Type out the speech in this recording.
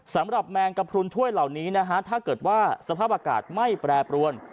แมงกระพรุนถ้วยเหล่านี้นะฮะถ้าเกิดว่าสภาพอากาศไม่แปรปรวน